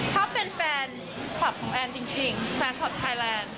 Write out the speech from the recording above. ถ้าเป็นแฟนคลับของแอนจริงแฟนคลับไทยแลนด์